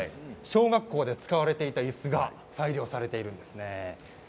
小学校で使われていたいすが再利用されているんですね。